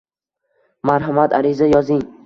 Marhamat, ariza yozing.